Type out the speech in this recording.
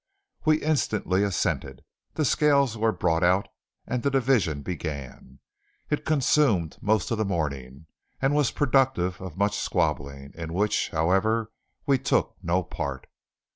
We instantly assented. The scales were brought out, and the division began. It consumed most of the morning, and was productive of much squabbling, in which, however, we took no part.